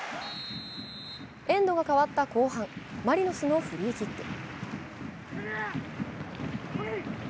エンドが変わった後半、マリノスのフリーキック。